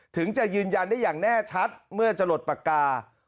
ถึงจะยืนยันได้อย่างแน่ชัดเมื่อจะหลดปากกา